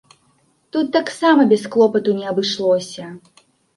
Тут таксама без клопату не абышлося.